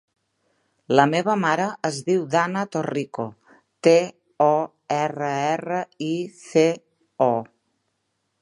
La meva mare es diu Dana Torrico: te, o, erra, erra, i, ce, o.